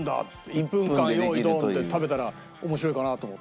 １分間用意ドンで食べたら面白いかなと思って。